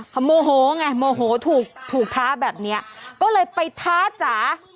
เขาโมโหไงโมโหถูกถูกท้าแบบนี้ก็เลยไปท้าจ๋า